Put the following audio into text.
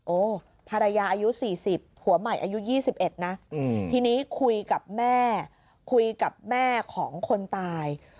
ภรรยาอายุ๔๐ผัวใหม่อายุ๒๑นะทีนี้คุยกับแม่คุยกับแม่ของคนตาย